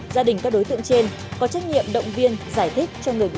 và trốn khỏi nơi giam giữ